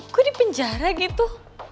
gue di penjara gitu